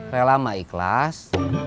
rela mah ikhlas